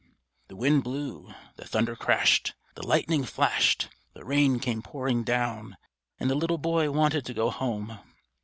The wind blew, the thunder crashed, the lightning flashed, the rain came pouring down, and the little boy wanted to go home.